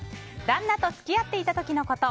旦那と付き合っていた時のこと。